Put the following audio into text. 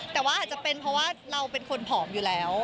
แต่ว่าอาจจะเป็นเพราะว่าเราเป็นคนผอมอยู่แล้ว